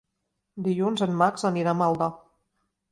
Dilluns en Max anirà a Maldà.